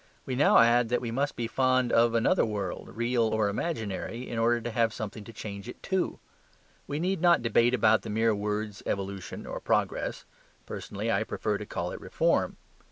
We now add that we must be fond of another world (real or imaginary) in order to have something to change it to. We need not debate about the mere words evolution or progress: personally I prefer to call it reform.